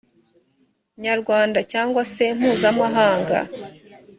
nyarwanda cyangwa se mpuzamahanga